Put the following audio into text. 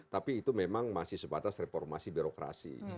tapi itu memang masih sebatas reformasi birokrasi